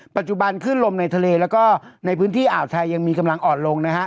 ปัจจุบันขึ้นลมในทะเลแล้วก็ในพื้นที่อ่าวไทยยังมีกำลังอ่อนลงนะฮะ